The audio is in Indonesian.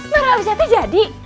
marah wisnya jadi